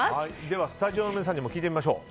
では、スタジオの皆さんにも聞いてみましょう。